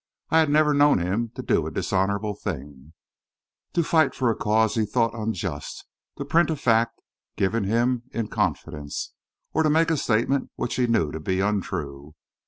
I had never known him to do a dishonourable thing to fight for a cause he thought unjust, to print a fact given to him in confidence, or to make a statement which he knew to be untrue.